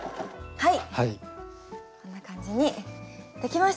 はい。